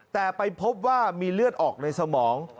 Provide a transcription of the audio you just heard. แต่ไปพบว่ามีเลือดออกในสมอง